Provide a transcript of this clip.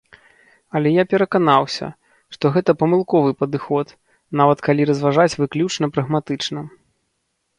Але я пераканаўся, што гэта памылковы падыход, нават калі разважаць выключна прагматычна.